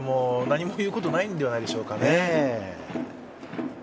何も言うことはないのではないでしょうか。